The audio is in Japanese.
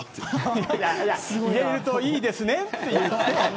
入れるといいですねって。